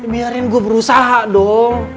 biarin gue berusaha dong